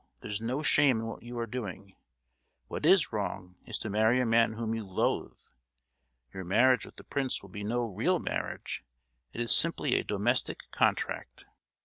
there's no shame in what you are doing. What is wrong is to marry a man whom you loathe. Your marriage with the prince will be no real marriage; it is simply a domestic contract.